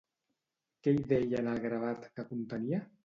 Què hi deia en el gravat que contenia?